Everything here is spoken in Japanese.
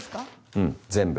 うん全部。